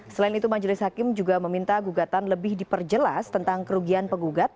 selain itu majelis hakim juga meminta gugatan lebih diperjelas tentang kerugian penggugat